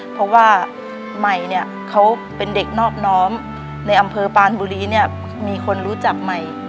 เพราะว่าใหม่เนี่ยเขาเป็นเด็กนอบน้อมในอำเภอปานบุรีเนี่ยมีคนรู้จักใหม่